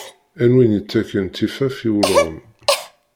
Am win yettakken tifaf i ulɣem.